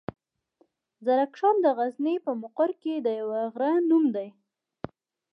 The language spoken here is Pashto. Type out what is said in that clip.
زرکشان دغزني پهمفر کې د يوۀ غرۀ نوم دی.